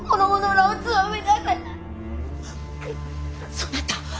そなた！